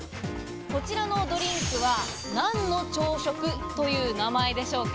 こちらのドリンクは何の朝食という名前でしょうか？